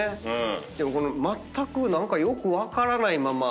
でもまったく何かよく分からないまま。